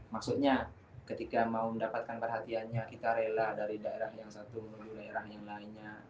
maksudnya ketika mau mendapatkan perhatiannya kita rela dari daerah yang satu menuju daerah yang lainnya